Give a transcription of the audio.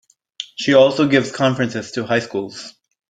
She also gives conferences to high schools.